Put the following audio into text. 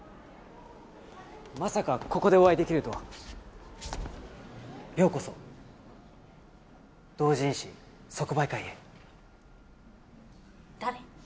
まさかここでお会いできるとはようこそ同人誌即売会へ誰？